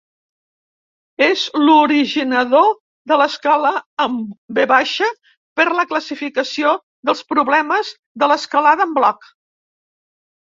És l'originador de l'escala en V per la classificació dels problemes d'escalada en bloc.